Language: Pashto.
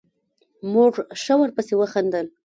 موږ ښه ورپسې وخندل.